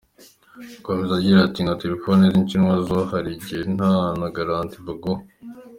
Akomeza agira ati : “Nka telefoni z’inshinwa zo hari igihe nta na garanti baguha.